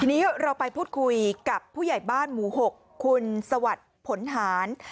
ทีนี้เราไปพูดคุยกับผู้ใหญ่บ้านหมู่๖คุณสวัสดิ์ผลหาร